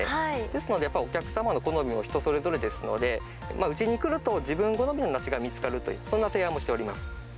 ですので、やっぱりお客様の好みも人それぞれですので、うちに来ると、自分好みの梨が見つかるという、そんな提案もしております。